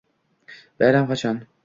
Bayram qachon?